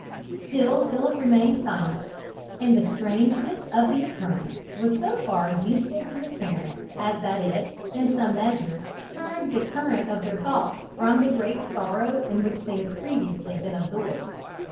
Still Philip remained silent, and the strangeness of the occurrence was so far useful to his parents as that it, in some measure, turned the current of their thoughts from the great sorrow in which they had previously been absorbed.